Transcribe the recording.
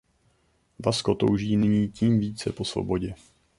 Vasco touží nyní tím více po svobodě.